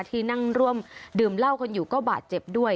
ที่นั่งร่วมดื่มเหล้ากันอยู่ก็บาดเจ็บด้วย